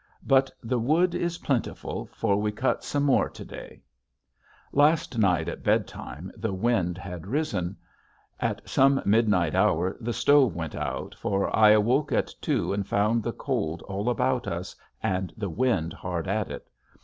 But the wood is plentiful for we cut some more to day. [Illustration: "GET UP!"] Last night at bedtime the wind had risen. At some midnight hour the stove went out for I awoke at two and found the cold all about us and the wind hard at it.